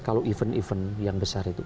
kalau event event yang besar itu